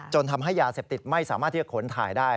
ทำให้ยาเสพติดไม่สามารถที่จะขนถ่ายได้